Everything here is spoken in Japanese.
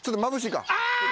あ！